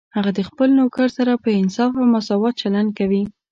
هغه د خپل نوکر سره په انصاف او مساوات چلند کوي